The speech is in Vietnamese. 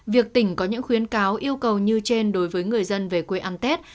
việc tỉnh có những khuyến cáo yêu cầu như trên đối với người dân về quê ăn tết